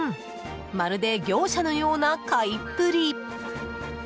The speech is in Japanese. まるで業者のような買いっぷり。